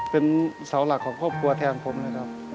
เป็นเสาหลักของครอบครัวแทนผมนะครับ